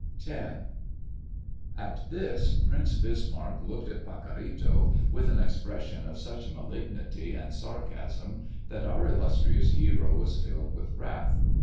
X. At this Prince Bismarck looked at Pacorrito with an expression of such malignity and sarcasm that our illustrious hero was filled with wrath.